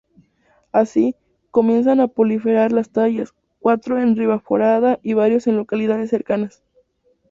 Así, comienzan a proliferar las tallas: cuatro en Ribaforada y varios en localidades cercanas.